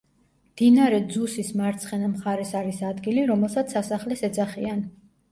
მდინარე ძუსის მარცხენა მხარეს არის ადგილი, რომელსაც სასახლეს ეძახიან.